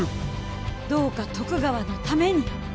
どうか徳川のために。